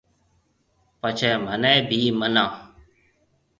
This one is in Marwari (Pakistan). پڇيَ مهني ڀِي مَنا۔